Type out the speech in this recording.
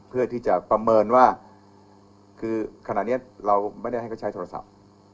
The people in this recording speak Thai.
เพื่อที่จะประเมินว่าคือขณะนี้เราไม่ได้ให้เขาใช้โทรศัพท์